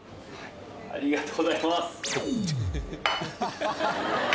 ありがとうございます。